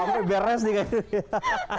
ampe beres nih kayaknya